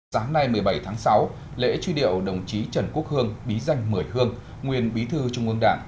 sáng nay một mươi bảy tháng sáu lễ truy điệu đồng chí trần quốc hương bí danh mười hương nguyên bí thư trung ương đảng